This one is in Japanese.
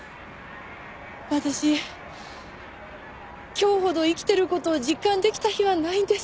私今日ほど生きてる事を実感出来た日はないんです。